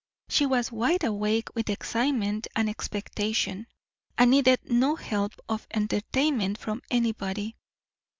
She was wide awake with excitement and expectation, and needed no help of entertainment from anybody.